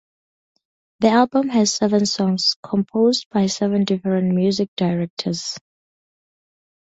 The album has seven songs composed by seven different music directors.